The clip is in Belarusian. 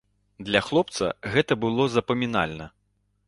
Для хлопца гэта было запамінальна.